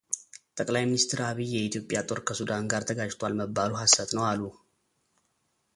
ጠቅላይ ሚንስትር ዐቢይ የኢትዮጵያ ጦር ከሱዳን ጋር ተጋጭቷል መባሉ ሐሰት ነው አሉ